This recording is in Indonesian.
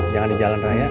jangan di jalan raya